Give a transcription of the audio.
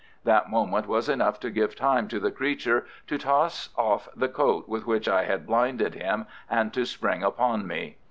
That moment was enough to give time to the creature to toss off the coat with which I had blinded him and to spring upon me.